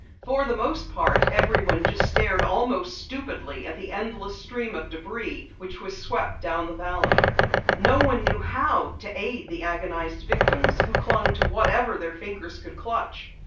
For the most part, everyone stared almost stupidly at the endless stream of debris which was swept down the valley. No one knew how to aid the agonized victims who clung to whatever their fingers could clutch.